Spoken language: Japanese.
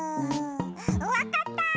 わかった！